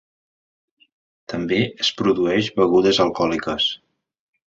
També es produeix begudes alcohòliques.